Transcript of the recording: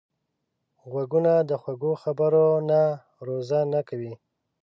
غوږونه د خوږو خبرو نه روژه نه کوي